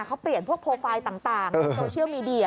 เขาเปลี่ยนพวกโปรไฟล์ต่างในโซเชียลมีเดีย